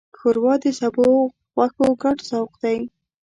ښوروا د سبو او غوښو ګډ ذوق دی.